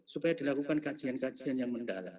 supaya dilakukan kajian kajian yang mendalam